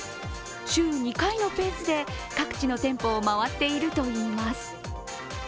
週２回のペースで各地の店舗を回っているといいます。